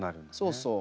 そうそう。